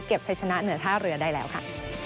ใช้ชนะเหนือท่าเรือได้แล้วค่ะ